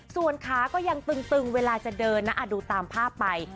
ส่วนขาก็ยังตึงเวลาจะเดินนะดูตามภาพไป